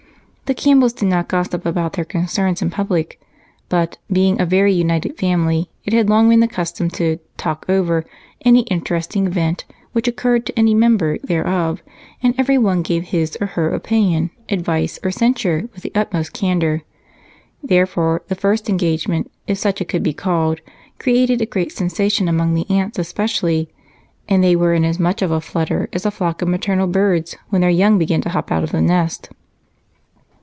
The Campbells did not gossip about their concerns in public, but being a very united family, it had long been the custom to "talk over" any interesting event which occurred to any member thereof, and everyone gave his or her opinion, advice, or censure with the utmost candor. Therefore the first engagement, if such it could be called, created a great sensation, among the aunts especially, and they were in as much of a flutter as a flock of maternal birds when their young begin to hop out of the nest.